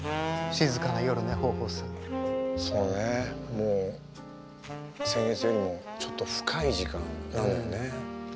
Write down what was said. もう先月よりもちょっと深い時間なのよね。